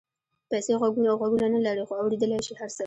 پیسې غوږونه نه لري خو اورېدلای شي هر څه.